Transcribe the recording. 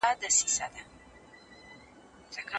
سمندر د الوتکې له کړکۍ ډېر شین ښکارېده.